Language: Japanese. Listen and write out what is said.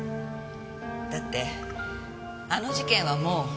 だってあの事件はもう。